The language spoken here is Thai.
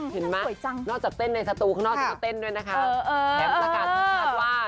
เห็นไหมนอกจากเต้นในสตูข้างนอกจากนี้เต้นด้วยนะคะแท็บนะคะสัมภาษณ์ว่า